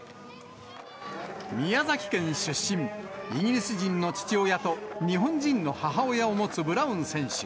宮崎県出身、イギリス人の父親と日本人の母親を持つブラウン選手。